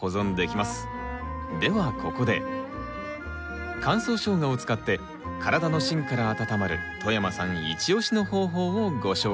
ではここで乾燥ショウガを使って体の芯から温まる外山さんイチオシの方法をご紹介。